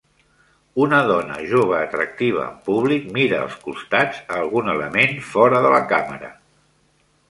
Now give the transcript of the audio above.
Una dona jove atractiva en públic mira als costats a algun element fora de la càmera.